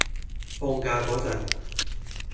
放假嗰陣